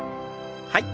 はい。